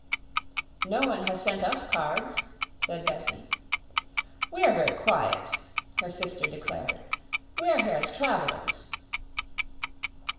"No one has sent us cards," said Bessie. "We are very quiet," her sister declared. "We are here as travelers."